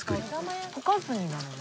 溶かずになのね。